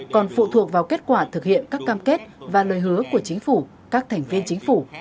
còn phụ thuộc vào kết quả thực hiện các cam kết và lời hứa của chính phủ các thành viên chính phủ